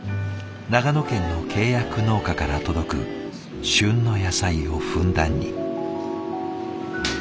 長野県の契約農家から届く旬の野菜をふんだんに。